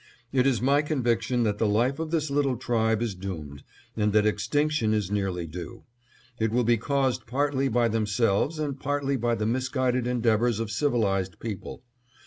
It is my conviction that the life of this little tribe is doomed, and that extinction is nearly due. It will be caused partly by themselves, and partly by the misguided endeavors of civilized people.